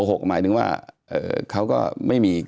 หมายถึงว่าเขาก็ไม่มี